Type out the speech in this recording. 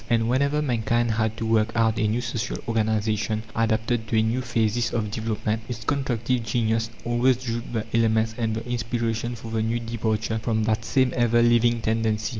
And whenever mankind had to work out a new social organization, adapted to a new phasis of development, its constructive genius always drew the elements and the inspiration for the new departure from that same ever living tendency.